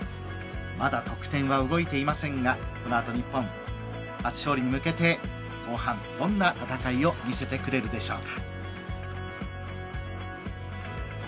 まだ得点は動いていませんがこのあと日本、初勝利に向けて後半、どんな戦いを見せてくれるでしょうか。